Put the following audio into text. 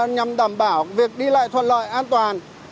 nhằm đảm bảo việc đi lại thuận lợi an toàn